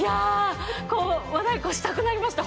和太鼓したくなりました、